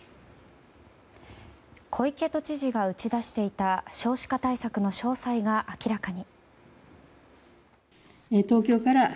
小池都知事が打ち出していた少子化対策の詳細が明らかに。